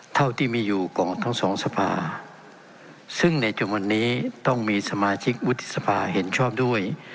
เท่าที่มีอยู่ของทั้งสองสภาซึ่งในจนวันนี้ต้องมีสมาชิกวุฒิสภาเห็นชอบด้วย